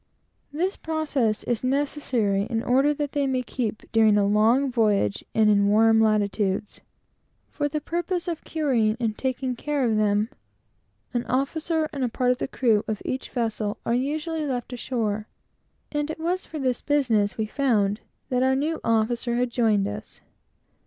This process is necessary in order that they may keep, during a long voyage, and in warm latitudes. For the purpose of curing and taking care of these hides, an officer and a part of the crew of each vessel are usually left ashore and it was for this business, we found, that our new officer had joined us.